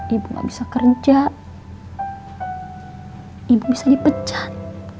ibu bisa akur sama bapak